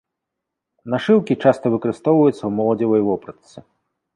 Нашыўкі часта выкарыстоўваюцца ў моладзевай вопратцы.